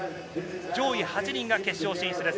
上位８人が決勝進出です。